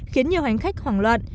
khiến nhiều hành khách hoảng loạn